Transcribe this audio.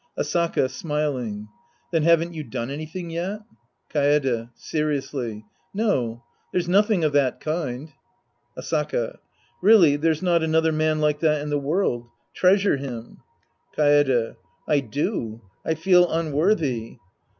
Asaka (smiling). Then haven't you done any thing yet ? Kaede {seriously). No. There's nothing of that kind. Asaka. Really there's not another man like that in the world. Treasure him. Kaede. I do. I feel unworthy.